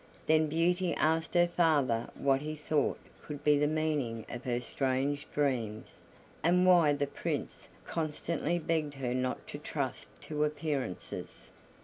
Then Beauty asked her father what he thought could be the meaning of her strange dreams, and why the Prince constantly begged her not to trust to appearances.